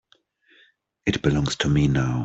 It belongs to me now.